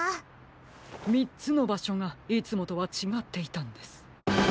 ３つのばしょがいつもとはちがっていたんです！